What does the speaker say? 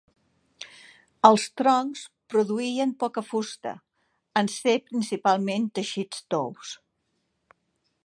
Els troncs produïen poca fusta, en ser principalment teixits tous.